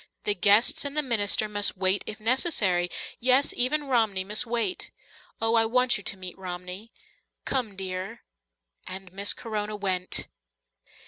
The guests and the minister must wait if necessary yes, even Romney must wait. Oh, I want you to meet Romney. Come, dear." And Miss Corona went.